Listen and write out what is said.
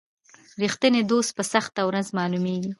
رښتینی دوست په سخته ورځ معلومیږي.